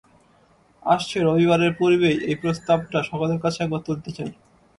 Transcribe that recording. আসছে রবিবারের পূর্বেই এই প্রস্তাবটা সকলের কাছে একবার তুলতে চাই।